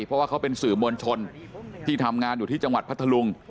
เพราะว่าเขาเป็นสื่อมวลชนที่ทำงานอยู่ที่จังหวัดพัทธลุง